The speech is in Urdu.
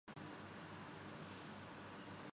ایک اور اناؤنسر پدمنی پریرا ہیں۔